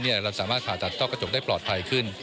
เราสามารถผ่าตัดต้อกระจกได้ปลอดภัยขึ้น